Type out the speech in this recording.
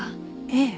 ええ。